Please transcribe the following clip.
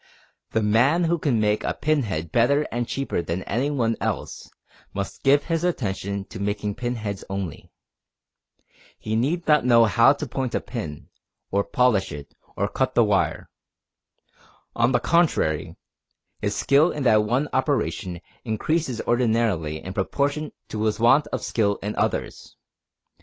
The man who can make a pin head better and cheaper than any one else, must give his attention to making pin heads only. He need not know how to point a pin, or polish it, or cut the wire. On the contrary his skill in that one operation increases ordinarily in proportion to his want of skill in others.